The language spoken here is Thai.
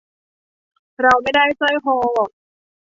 เราไม่ได้สร้อยคอ